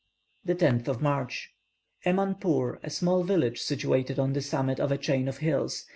10th March. Emanpoor, a small village situated on the summit of a chain of hills.